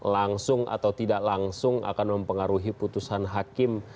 langsung atau tidak langsung akan mempengaruhi putusan hakim